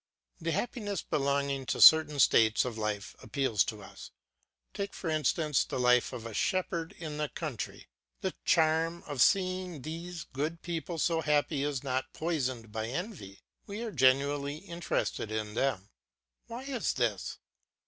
The happiness belonging to certain states of life appeals to us; take, for instance, the life of a shepherd in the country. The charm of seeing these good people so happy is not poisoned by envy; we are genuinely interested in them. Why is this?